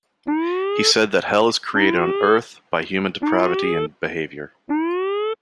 He said that hell is created on earth by human depravity and behavior.